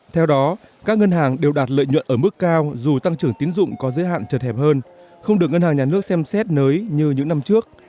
theo đó các ngân hàng đều đạt lợi nhuận ở mức cao dù tăng trưởng tiến dụng có giới hạn chật hẹp hơn không được ngân hàng nhà nước xem xét nới như những năm trước